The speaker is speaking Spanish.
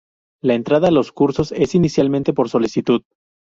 La entrada a los cursos es inicialmente por solicitud.